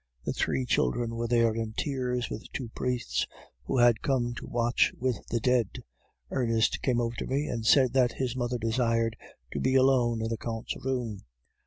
The three children were there in tears, with two priests, who had come to watch with the dead. Ernest came over to me, and said that his mother desired to be alone in the Count's room.